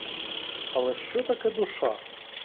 Але що таке душа?